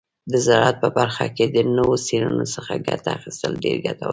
د زراعت په برخه کې د نوو څیړنو څخه ګټه اخیستل ډیر ګټور دي.